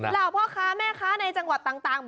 เหล่าพ่อค้าแม่ค้าในจังหวัดต่าง